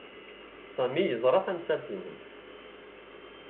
Sami yeẓra tamsalt-nnem.